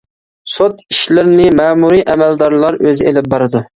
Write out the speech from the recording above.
سوت ئىشلىرىنى مەمۇرىي ئەمەلدارلار ئۆزى ئېلىپ بارىدۇ.